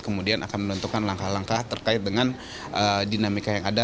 kemudian akan menentukan langkah langkah terkait dengan dinamika yang ada